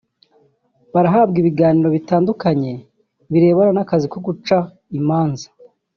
Barahabwa ibiganiro bitandukanye birebana n’akazi ko guca imanza